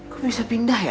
kok bisa pindah ya